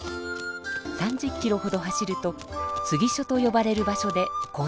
３０キロほど走るとつぎ所とよばれる場所で交代します。